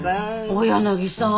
大柳さん